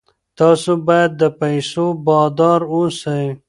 تاسو باید د پیسو بادار اوسئ.